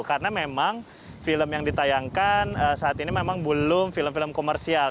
karena memang film yang ditayangkan saat ini memang belum film film komersial